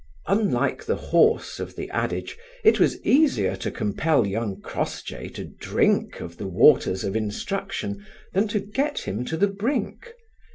Unlike the horse of the adage, it was easier to compel young Crossjay to drink of the waters of instruction than to get him to the brink.